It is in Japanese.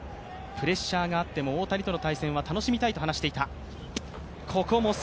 プレッシャーがあっても、大谷との対戦は楽しみたいと話していた。